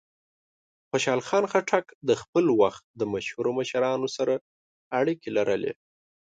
خوشحال خان خټک د خپل وخت د مشهورو مشرانو سره اړیکې لرلې.